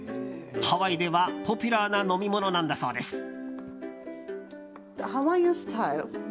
ハワイではポピュラーな飲み物なんだそうです。